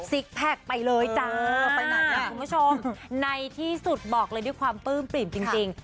ซิกแพกไปเลยจ้าคุณผู้ชมในที่สุดบอกเลยด้วยความปื้มปริ่มจริง